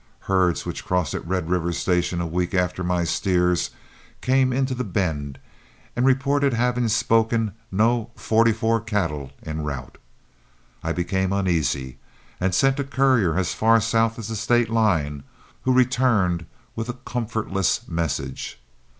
Herds, which crossed at Red River Station a week after my steers, came into The Bend and reported having spoken no "44" cattle en route. I became uneasy and sent a courier as far south as the state line, who returned with a comfortless message.